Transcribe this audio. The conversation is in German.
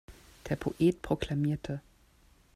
Der Poet proklamierte.